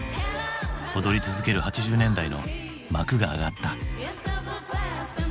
踊り続ける８０年代の幕が上がった。